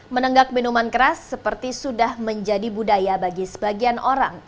menenggak minuman keras seperti sudah menjadi budaya bagi sebagian orang